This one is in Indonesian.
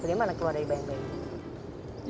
bagaimana keluar dari bayang bayangin